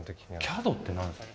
ＣＡＤって何ですか？